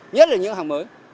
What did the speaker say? nhất là những hàng mới